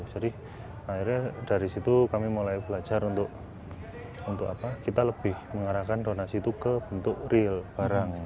jadi akhirnya dari situ kami mulai belajar untuk kita lebih mengarahkan donasi itu ke bentuk real barang